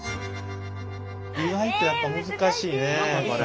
意外とやっぱ難しいねこれ。